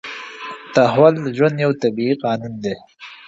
تحول د ژوند یو طبیعي قانون دی.